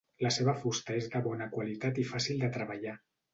La seva fusta és de bona qualitat i fàcil de treballar.